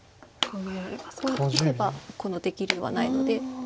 ここに打てばこの出切りはないので。